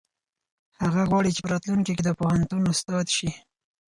هغه غواړي چې په راتلونکي کې د پوهنتون استاد شي.